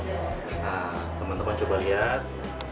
nah teman teman coba lihat